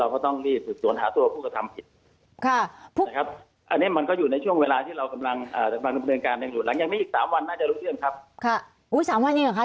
ผู้การข่าวผู้การดูเองเลยบ้างคะ